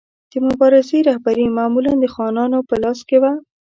د مبارزې رهبري معمولا د خانانو په لاس کې وه.